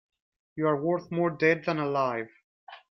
You're worth more dead than alive.